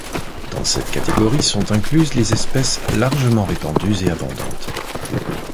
Dans cette catégorie sont incluses les espèces largement répandues et abondantes.